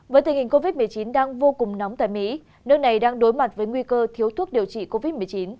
với tình hình covid một mươi chín đang vô cùng nóng tại mỹ nước này đang đối mặt với nguy cơ thiếu thuốc điều trị covid một mươi chín